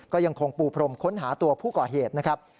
ก็ยังคงปูพรมค้นหาตัวผู้ก่อเหตุนะครับ